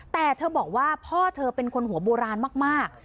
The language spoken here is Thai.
แต่เธอบอกว่าพ่อเธอเป็นคนหัวโบราณมาก